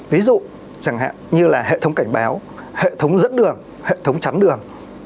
ví dụ chẳng hạn như là hệ thống cảnh báo hệ thống dẫn đường hệ thống chắn đường